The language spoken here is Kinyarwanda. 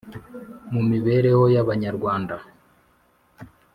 Mu mibereho y’abanyarwanda